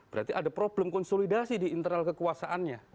berarti ada problem konsolidasi di internal kekuasaannya